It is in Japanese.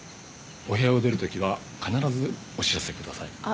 お部屋を出るときは必ずお知らせください。